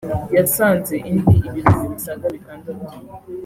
yasanze indi ibihumbi bisaga bitandatu